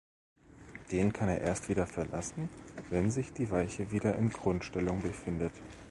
Den kann er erst wieder verlassen, wenn sich die Weiche wieder in Grundstellung befindet.